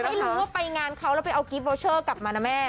ไม่รู้ว่าไปงานเขาแล้วไปเอากิฟต์วอเชอร์กลับมานะแม่